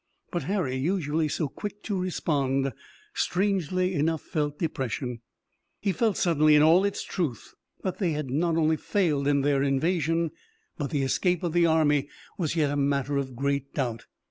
But Harry, usually so quick to respond, strangely enough felt depression. He felt suddenly in all its truth that they had not only failed in their invasion, but the escape of the army was yet a matter of great doubt.